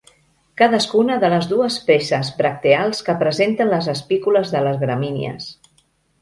Cadascuna de les dues peces bracteals que presenten les espícules de les gramínies.